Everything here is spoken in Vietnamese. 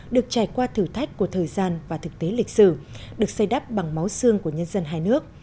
được trải qua thử thách của thời gian và thực tế lịch sử được xây đắp bằng máu xương của nhân dân hai nước